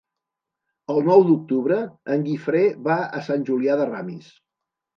El nou d'octubre en Guifré va a Sant Julià de Ramis.